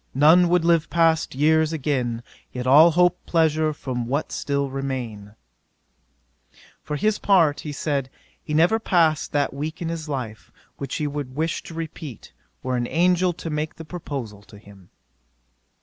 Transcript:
none would live past years again, Yet all hope pleasure from what still remain." For his part, he said, he never passed that week in his life which he would wish to repeat, were an angel to make the proposal to him.